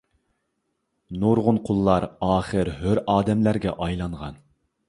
نۇرغۇن قۇللار ئاخىر ھۆر ئادەملەرگە ئايلانغان.